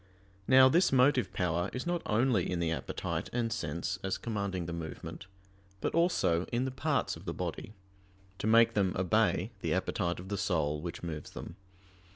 Now this motive power is not only in the appetite and sense as commanding the movement, but also in the parts of the body, to make them obey the appetite of the soul which moves them.